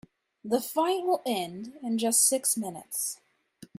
The fight will end in just six minutes.